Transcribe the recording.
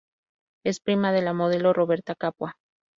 Es prima de la modelo Roberta Capua.